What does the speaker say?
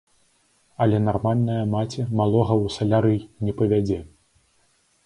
Але нармальная маці малога ў салярый не павядзе.